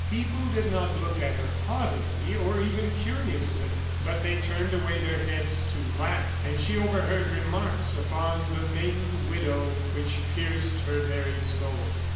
People did not look at her haughtily, or even curiously; but they turned away their heads to laugh, and she overheard remarks upon the maiden widow which pierced her very soul.